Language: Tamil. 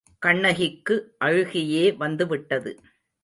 கண்ணகிக்கு அழுகையே வந்துவிட்டது.